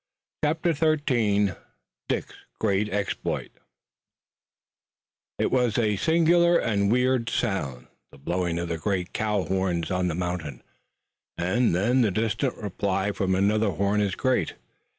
CHAPTER XIII DICK'S GREAT EXPLOIT It was a singular and weird sound, the blowing of the great cow's horn on the mountain, and then the distant reply from another horn as great.